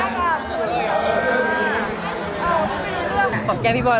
ไม่ใช้ห่อตังกี่ด้วย